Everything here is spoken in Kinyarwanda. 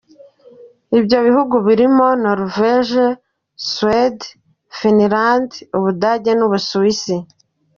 Ibyo bihugu birimo Norvège, Suède, Finland, u Budage n’u Busuwisi.